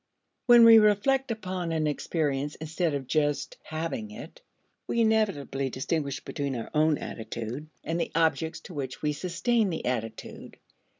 When we reflect upon an experience instead of just having it, we inevitably distinguish between our own attitude and the objects toward which we sustain the attitude.